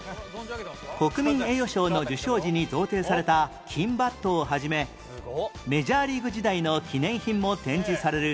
国民栄誉賞の受賞時に贈呈された金バットを始めメジャーリーグ時代の記念品も展示される